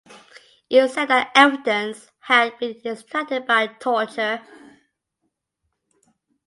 It was said that evidence had been extracted by torture.